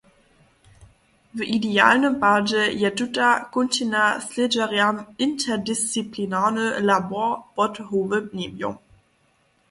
W idealnym padźe je tuta kónčina slědźerjam interdisciplinarny „labor pod hołym njebjom“.